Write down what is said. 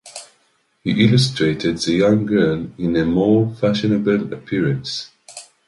He illustrated the young girl in a more fashionable appearance.